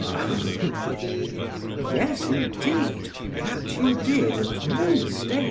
PHAEDRUS: Yes, indeed; that you did, and no mistake.